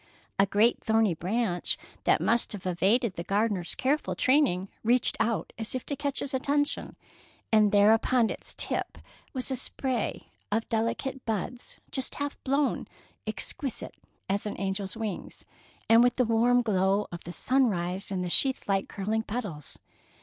A great thorny branch that must have evaded the gardener's careful training reached out as if to catch his attention, and there upon its tip was a spray of delicate buds, just half blown, exquisite as an angel's wings, and with the warm glow of the sunrise in the sheathlike, curling petals.